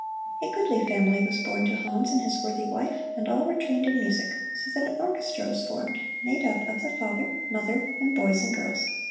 A goodly family was born to Hans and his worthy wife, and all were trained in music, so that an orchestra was formed, made up of the father, mother, and boys and girls.